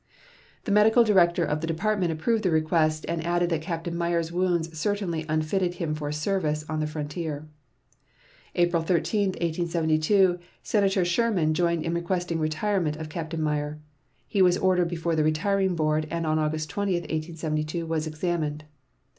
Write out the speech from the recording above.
The medical director of the department approved the request, and added that Captain Meyer's wounds certainly unfitted him for service on the frontier. April 13, 1872, Senator Sherman joined in requesting retirement of Captain Meyer. He was ordered before the retiring board and on August 20, 1872, was examined.